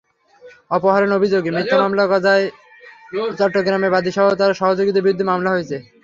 অপহরণের অভিযোগে মিথ্যা মামলা করায় চট্টগ্রামে বাদীসহ তাঁর সহযোগীদের বিরুদ্ধে মামলা হয়েছে।